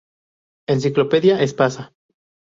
Enciclopedia Espasa.